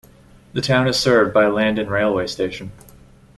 The town is served by Landen railway station.